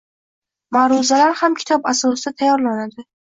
Ma’ruzalar ham kitob asosida tayyorlanadi.